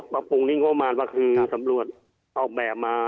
ปรับปรุงที่งบประมาณว่าคือสำรวจเอาแบบมา